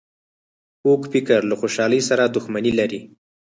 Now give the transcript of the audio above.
کوږ فکر له خوشحالۍ سره دښمني لري